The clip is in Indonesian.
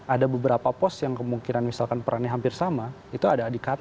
ada beberapa pos yang kemungkinan misalkan perannya hampir sama itu ada di qatar